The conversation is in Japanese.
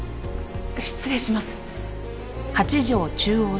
失礼します。